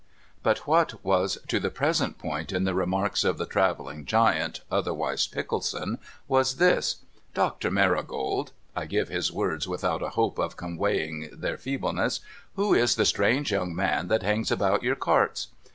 But what was to the present point in the remarks of the travelling giant, otherwise Pickleson, was this :' Doctor Marigold,' — I give his words without a hope of conweying their feebleness, —' who is the strange young man that hangs about your carts